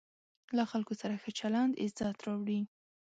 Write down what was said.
له خلکو سره ښه چلند عزت راوړي.